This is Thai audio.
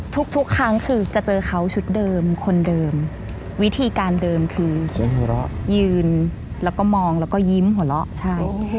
ทุกครั้งคือจะเจอเขาชุดเดิมคนเดิมวิธีการเดิมคือเสียงหัวเราะยืนแล้วก็มองแล้วก็ยิ้มหัวเราะใช่